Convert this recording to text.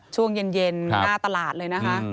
ช่วงเย็นหน้าตลาดเลยนะคะ